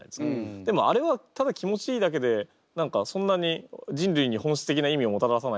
でもあれはただ気持ちいいだけで何かそんなに人類に本質的な意味をもたらさないので。